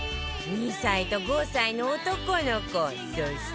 ２歳と５歳の男の子そして